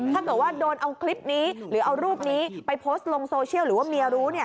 ถ้าเกิดว่าโดนเอาคลิปนี้หรือเอารูปนี้ไปโพสต์ลงโซเชียลหรือว่าเมียรู้